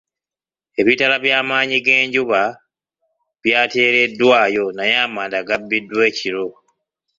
Ebitala by'amannyi g'enjuba by'ateereddwayo naye amanda gabbiddwa ekiro.